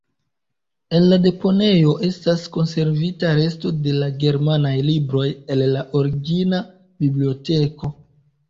En la deponejo estas konservita resto de la germanaj libroj el la origina biblioteko.